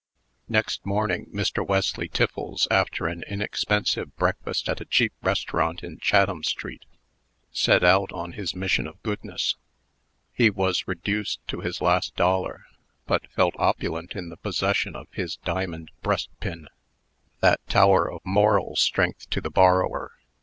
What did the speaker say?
Next morning, Mr. Wesley Tiffles, after an inexpensive breakfast at a cheap restaurant in Chatham street, set out on his mission of goodness. He was reduced to his last dollar, but felt opulent in the possession of his diamond breastpin that tower of moral strength to the borrower.